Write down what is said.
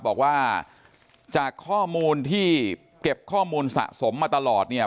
บอกว่าจากข้อมูลที่เก็บข้อมูลสะสมมาตลอดเนี่ย